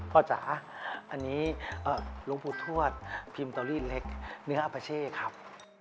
จ๋าอันนี้หลวงปู่ทวดพิมพ์เตอรี่เล็กเนื้ออัปเช่ครับ